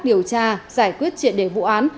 điều tra giải quyết triện đề vụ án